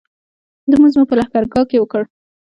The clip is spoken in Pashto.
لمونځ مو په لښکرګاه کې وکړ.